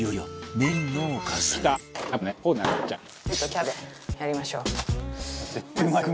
ネギとキャベツでやりましょう。